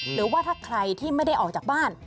หรือว่าถ้าใครที่ไม่ได้ออกจากบ้าน